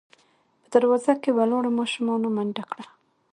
په دروازه کې ولاړو ماشومانو منډه کړه.